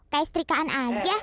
kayak istrikaan aja